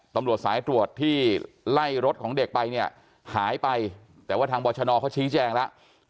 ตำรวจสายตรวจที่ไล่รถของเด็กไปเนี่ยหายไปแต่ว่าทางบรชนเขาชี้แจงแล้ว